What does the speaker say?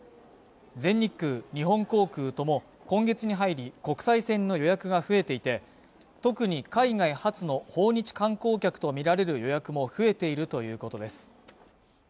全日空、日本航空とも今月に入り国際線の予約が増えていて特に海外発の訪日観光客と見られる予約も増えているということです